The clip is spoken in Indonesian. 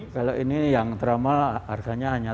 kalau ini yang tromol harganya hanya tujuh puluh